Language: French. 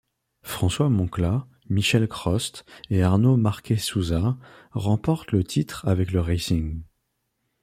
François Moncla, Michel Crauste et Arnaud Marquesuzaa remportent le titre avec le Racing.